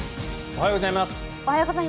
おはようございます。